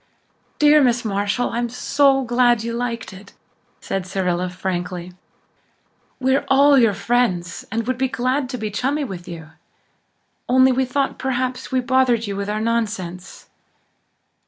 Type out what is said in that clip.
"Dear Miss Marshall, I'm so glad you liked it," said Cyrilla frankly. "We're all your friends and would be glad to be chummy with you. Only we thought perhaps we bothered you with our nonsense."